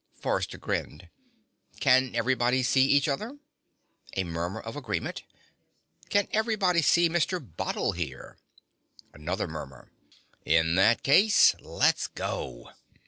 Forrester grinned. "Can everybody see each other?" A murmur of agreement. "Can everybody see Mr. Bottle here?" Another murmur. "In that case, let's go."